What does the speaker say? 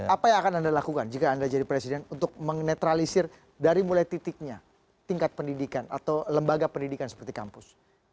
apa yang akan anda lakukan jika anda jadi presiden untuk menetralisir dari mulai titiknya tingkat pendidikan atau lembaga pendidikan seperti kampus